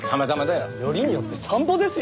よりによって散歩ですよ？